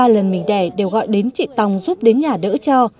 ba lần mình đẻ đều gọi đến chị tòng giúp đến nhà đỡ cho